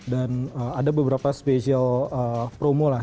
dan ada beberapa spesial promo lah